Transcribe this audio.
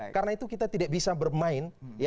karena itu kita tidak bisa bermain